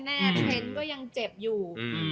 เทรนด์ก็ยังเจ็บอยู่